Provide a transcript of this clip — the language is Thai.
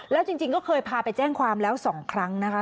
แล้วจริงก็เคยพาไปแจ้งความแล้ว๒ครั้งนะคะ